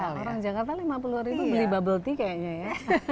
kalau orang jakarta lima puluh ribu beli bubble tea kayaknya ya